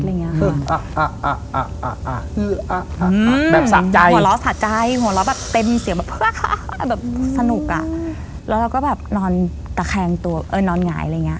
แล้วเราก็แบบนอนนอนหงาย